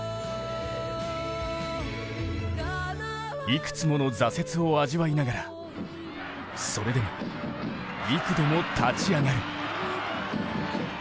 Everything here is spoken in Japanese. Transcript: いくつもの挫折を味わいながら、それでも幾度も立ち上がる。